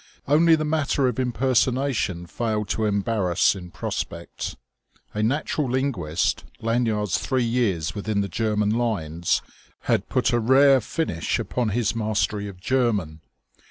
Only the matter of impersonation failed to embarrass in prospect. A natural linguist, Lanyard's three years within the German lines had put a rare finish upon his mastery of German.